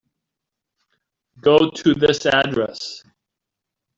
Go to this address.